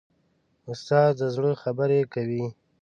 استاد د زړه خبرې کوي.